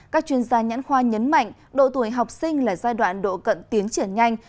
các chuyên gia nhãn khoa nhấn mạnh độ tuổi học sinh là giai đoạn độ cận tiến triển nhanh